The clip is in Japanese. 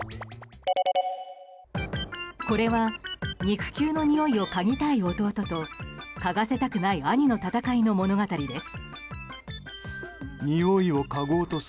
これは肉球のにおいをかぎたい弟とかがせたくない兄の戦いの物語です。